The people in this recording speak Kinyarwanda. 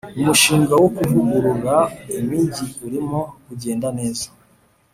umushinga wo kuvugurura imijyi urimo kugenda neza.